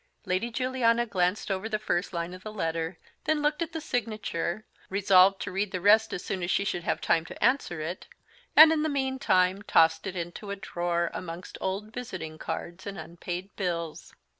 Lady Juliana glanced over the first line of the letter, then looked at the signature, resolved to read the rest as soon as she should have time to answer it; and in the meantime tossed it into a drawer, amongst old visiting cards and unpaid bills.